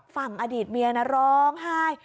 ฝั่งอดีตเมียนะร้องไห้